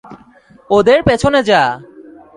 ওদের পিছনে যা।